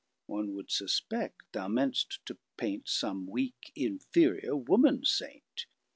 One would suspect thou meant'st to printSome weak, inferiour, woman saint.